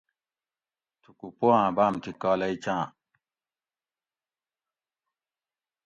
تھُکو پواٞں باٞم تھی کالئ چاٞں